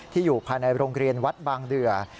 อยู่ภายในโรงเรียนวัดบางเดือ